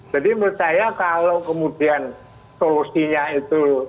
jadi menurut saya kalau kemudian solusinya itu